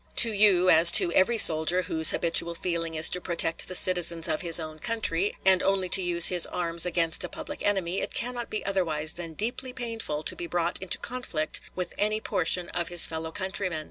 To you, as to every soldier, whose habitual feeling is to protect the citizens of his own country, and only to use his arms against a public enemy, it cannot be otherwise than deeply painful to be brought into conflict with any portion of his fellow countrymen.